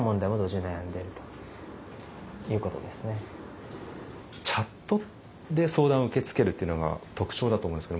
チャットで相談を受け付けるっていうのが特徴だと思いますけれども。